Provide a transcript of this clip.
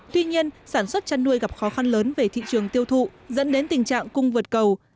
tuy nhiên sản xuất chăn nuôi gặp khó khăn lớn về thị trường tiêu thụ dẫn đến tình trạng cung vượt cầu